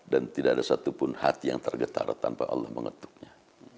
dan tidak ada satupun hati yang tergetar tanpa allah mengetuknya